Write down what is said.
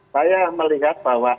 saya melihat bahwa